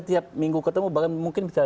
tiap minggu ketemu bahkan mungkin bisa